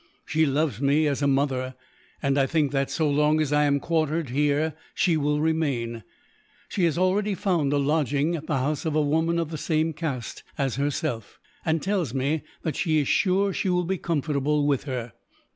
She loves me as a mother; and I think that, so long as I am quartered here, she will remain. She has already found a lodging, at the house of a woman of the same caste as herself; and tells me that she is sure she will be comfortable with her.